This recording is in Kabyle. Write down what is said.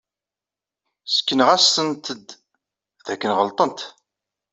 Ssekneɣ-asent-d dakken ɣelḍent.